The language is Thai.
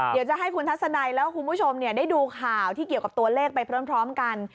เดี๋ยวจะให้คุณทัศนัยแล้วคุณผู้ชมได้ดูข่าวที่เกี่ยวกับตัวเลขไปพร้อมกัน